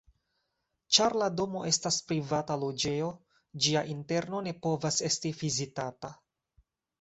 Ĉar la domo estas privata loĝejo, ĝia interno ne povas esti vizitata.